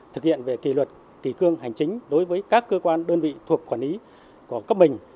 thực hiện về kỷ luật kỳ cương hành chính đối với các cơ quan đơn vị thuộc quản lý của cấp mình